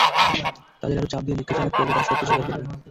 তাদের আরো চাপ দিয়ে জিজ্ঞাসাবাদ করলে, তারা সত্য স্বীকার করবে।